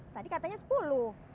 tadi katanya sepuluh